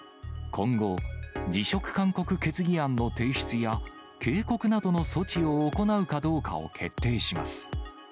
今後、辞職勧告決議案の提出や警告などの措置を行うかどうかを決定します。